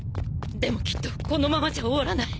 でもきっとこのままじゃ終わらない。